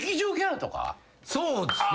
そうですね。